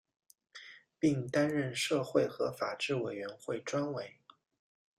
并担任社会和法制委员会专委。